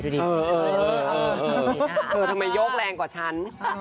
ทำไมโยกแรงกว่าฉัน